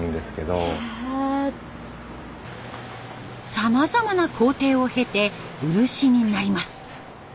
さまざまな工程を経て漆になります。